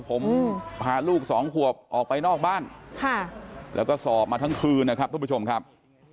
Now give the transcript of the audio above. ผมพาลูกสองขวบออกไปนอกบ้านแล้วก็สอบมาทั้งคืนนะครับทุกผู้ชมครับ